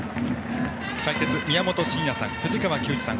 解説、宮本慎也さん藤川球児さん